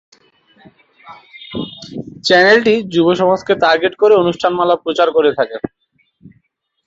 চ্যানেলটি যুব সমাজকে টার্গেট করে অনুষ্ঠানমালা প্রচার করে থাকে।